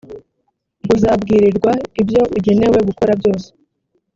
uzabwirirwa ibyo ugenewe gukora byose